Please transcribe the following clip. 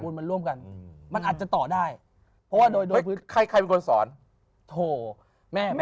ก็ารได้ของคุยนะ